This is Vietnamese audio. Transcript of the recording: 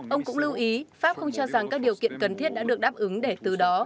ông cũng lưu ý pháp không cho rằng các điều kiện cần thiết đã được đáp ứng để từ đó